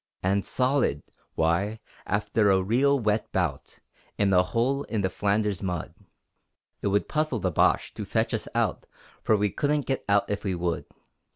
And solid! Why, after a real wet bout In a hole in the Flanders mud, It would puzzle the Boche to fetch us out, For we couldn't get out if we would!